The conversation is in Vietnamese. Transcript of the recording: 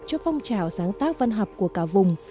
cho phong trào sáng tác văn học của cả vùng